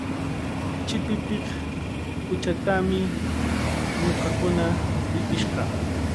Chipipiq quchatami ñuqakuna riqish kaa.